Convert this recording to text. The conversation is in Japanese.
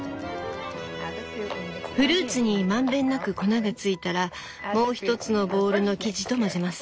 「フルーツに満遍なく粉がついたらもう一つのボウルの生地と混ぜます。